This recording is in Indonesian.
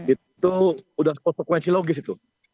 itu sudah konsekuensi logis itu